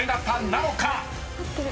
合ってる。